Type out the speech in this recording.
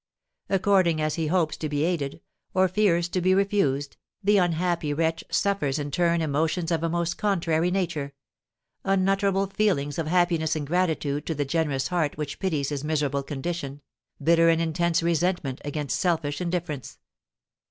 According as he hopes to be aided, or fears to be refused, the unhappy wretch suffers in turn emotions of a most contrary nature, unutterable feelings of happiness and gratitude to the generous heart which pities his miserable condition bitter and intense resentment against selfish indifference!